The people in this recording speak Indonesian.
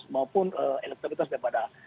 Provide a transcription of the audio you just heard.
maupun elektronitas daripada